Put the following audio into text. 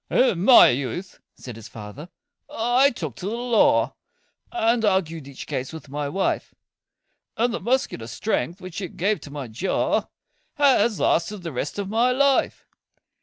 "In my youth," said his fater, "I took to the law, And argued each case with my wife; And the muscular strength, which it gave to my jaw, Has lasted the rest of my life."